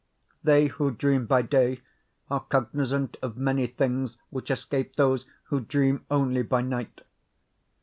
They who dream by day are cognizant of many things which escape those who dream only by night.